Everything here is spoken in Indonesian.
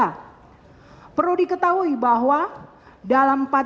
binlar selama selama lunculan informasi sama macam sama pelaksanaan ketika penasihat hukum nyara wheat